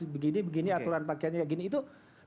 begini begini aturan pakaiannya gini begini